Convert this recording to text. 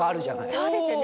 そうですよね。